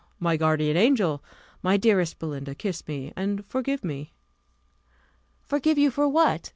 My guardian angel, my dearest Belinda, kiss me, and forgive me." "Forgive you for what?"